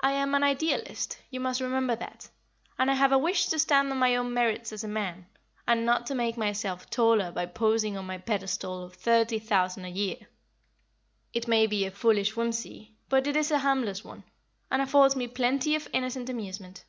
I am an Idealist, you must remember that, and I have a wish to stand on my own merits as a man, and not to make myself taller by posing on my pedestal of thirty thousand a year. It may be a foolish whimsie, but it is a harmless one, and affords me plenty of innocent amusement."